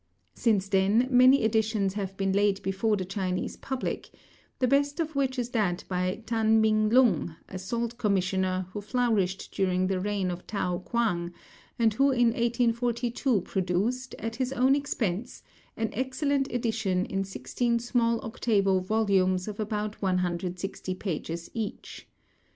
Since then many editions have been laid before the Chinese public, the best of which is that by Tan Ming lun, a Salt Commissioner, who flourished during the reign of Tao Kuang, and who in 1842 produced, at his own expense, an excellent edition in sixteen small octavo volumes of about 160 pages each.